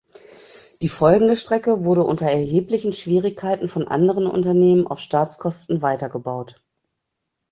Die folgende Strecke wurde unter erheblichen Schwierigkeiten von anderen Unternehmen auf Staatskosten weiter gebaut.